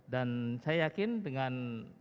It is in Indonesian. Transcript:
dan saya yakin dengan